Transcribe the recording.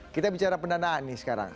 kita bicara pendanaan nih sekarang